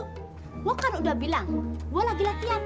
gua kan udah bilang gua lagi latihan